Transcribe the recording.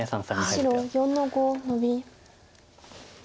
白４の五ノビ。